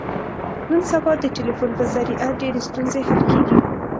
نن سبا د ټلیفون په ذریعه ډېرې ستونزې حل کېږي.